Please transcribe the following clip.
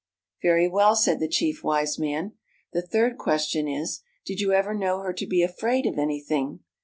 "Very well," said the Chief Wise Man. "The third question is: Did you ever know her to be afraid of anything?